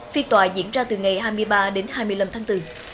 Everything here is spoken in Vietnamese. phiên tòa diễn ra từ ngày hai mươi ba đến hai mươi năm tháng bốn